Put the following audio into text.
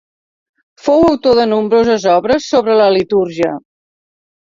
Fou autor de nombroses obres sobre la litúrgia.